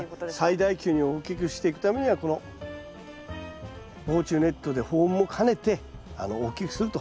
最大級に大きくしていくためにはこの防虫ネットで保温も兼ねて大きくすると。